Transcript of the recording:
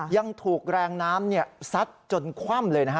ยังถูกแรงน้ำซัดจนคว่ำเลยนะฮะ